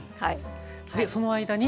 でその間に。